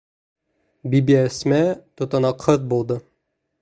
Бибиәсмә тотанаҡһыҙ булды.